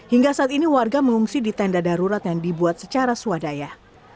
hingga saat ini warga mengungsi di tenda darurat yang dibuat secara swadaya